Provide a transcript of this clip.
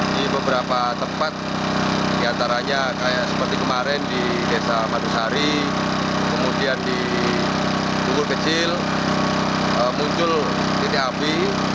di beberapa tempat diantaranya seperti kemarin di desa madusari kemudian di bukur kecil muncul titik api